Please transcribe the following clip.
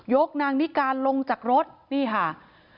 กนางนิการลงจากรถนี่ค่ะ